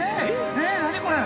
え何これ？